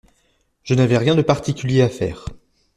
Je n’avais rien de particulier à faire.